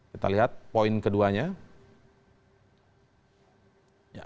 kita lihat poin keduanya